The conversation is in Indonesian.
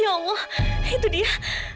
ya allah itu dia